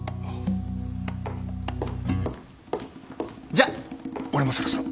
じゃあ俺もそろそろ。